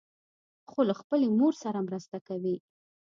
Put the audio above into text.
خور له خپلې مور سره مرسته کوي.